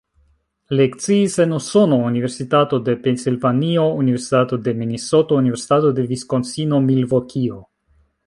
Lekciis en Usono: Universitato de Pensilvanio, Universitato de Minesoto, Universitato de Viskonsino-Milvokio.